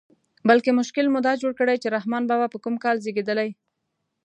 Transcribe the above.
بلکې مشکل مو دا جوړ کړی چې رحمان بابا په کوم کال زېږېدلی.